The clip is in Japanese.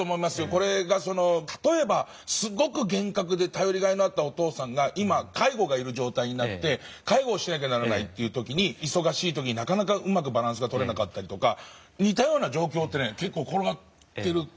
これが例えばすごく厳格で頼りがいのあったお父さんが今介護が要る状態になって介護をしなきゃならない時に忙しい時になかなかうまくバランスがとれなかったり似たような状況って結構転がってる気がしますね。